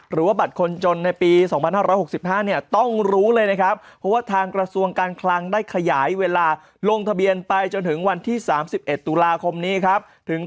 หรือบัตรคนจนในปี๒๕๖๕เนี่ยต้องรู้เลยนะครับ